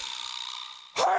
はい！